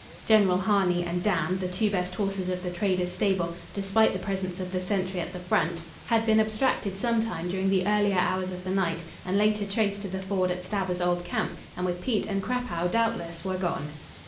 "General Harney" and "Dan," the two best horses of the trader's stable, despite the presence of the sentry at the front, had been abstracted sometime during the earlier hours of the night, and later traced to the ford at Stabber's old camp, and with Pete and Crapaud, doubtless, were gone.